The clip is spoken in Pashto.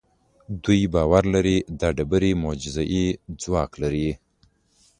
دوی باور لري دا ډبرې معجزه اي ځواک لري.